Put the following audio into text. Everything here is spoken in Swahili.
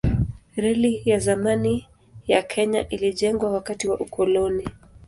Reli ya zamani ya Kenya ilijengwa wakati wa ukoloni.